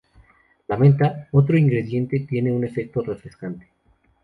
La menta, otro ingrediente, tiene un efecto refrescante.